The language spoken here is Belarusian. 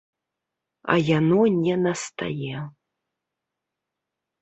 А яно не настае.